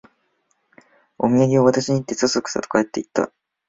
おみやげを渡しに来て、そそくさと帰っていった